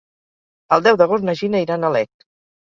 El deu d'agost na Gina irà a Nalec.